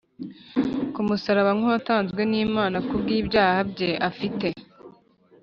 ku musaraba nk'uwatanzwe n'Imana kubw'ibyaha bye afite: